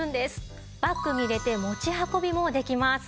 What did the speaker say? バッグに入れて持ち運びもできます。